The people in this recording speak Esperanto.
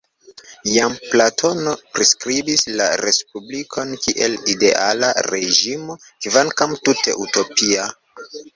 Jam Platono priskribis la respublikon kiel ideala reĝimo, kvankam tute utopia.